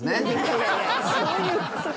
いやいやそういう事じゃ。